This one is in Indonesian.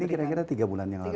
ini kira kira tiga bulan yang lalu